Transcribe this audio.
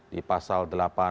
di pasal delapan puluh dua